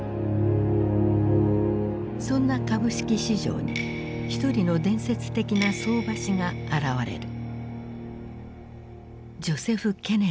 そんな株式市場に一人の伝説的な相場師が現れる。